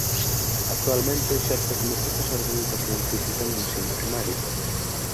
Actualmente exerce como profesor de Educación Física no ensino primario.